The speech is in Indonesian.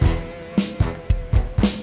ya ini lagi serius